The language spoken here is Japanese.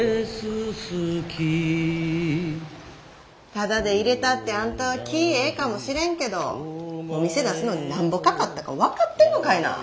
タダで入れたってあんたは気ぃええかもしれんけどお店出すのになんぼかかったか分かってんのかいな。